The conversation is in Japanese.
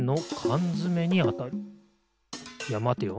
いやまてよ。